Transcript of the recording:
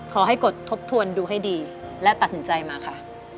กดทบทวนดูให้ดีและตัดสินใจมาค่ะ